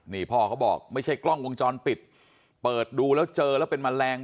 นี่พ่อเขาบอกไม่ใช่กล้องวงจรปิดเปิดดูแล้วเจอแล้วเป็นแมลง